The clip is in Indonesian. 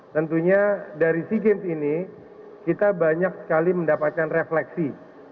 tentunya dari sea games ini kita banyak sekali mendapatkan refleksi